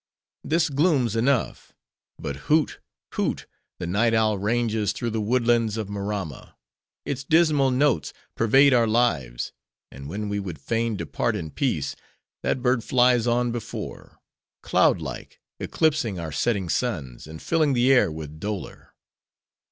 This gloom's enough. But hoot! hoot! the night owl ranges through the woodlands of Maramma; its dismal notes pervade our lives; and when we would fain depart in peace, that bird flies on before:— cloud like, eclipsing our setting suns, and filling the air with dolor."